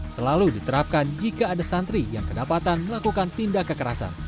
selalu diterapkan jika ada santri yang kedapatan melakukan tindak kekerasan